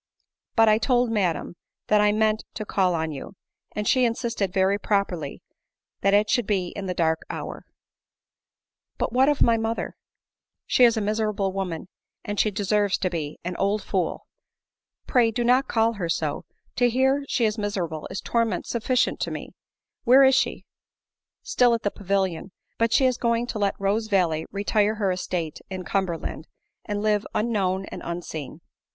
But I told madam that I meant to call on you, and she insisted very properly, that it should be in the dark hour." ADELINE MOWBRAY. 105 " But what of my mother?" " She is a miserable woman, as she deserves to be — an old fool." "Pray do not call her so; to hear she is miserable is torment sufficient to me ; where is she ?"" Still at the Pavilion ; but she is going to let Rose valley, retire to her estate in Cumberland, and live un known and unseen."